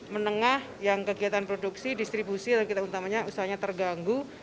menengah yang kegiatan produksi distribusi dan kita utamanya usahanya terganggu